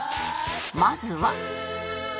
まずは